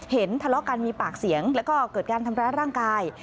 ทะเลาะกันมีปากเสียงแล้วก็เกิดการทำร้ายร่างกาย